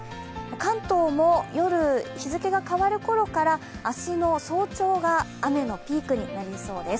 関東も夜、日付が変わるころから明日の早朝が雨のピークになりそうです。